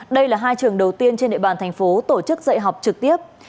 đây là hai trường đầu tiên trên địa bàn thành phố tổ chức dạy học trực tiếp